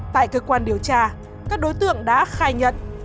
tại cơ quan điều tra các đối tượng đã khai nhận